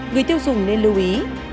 người tiêu dùng nên lưu ý